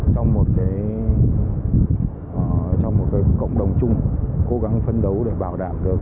trong một cái cộng đồng chung cố gắng phấn đấu để bảo đảm được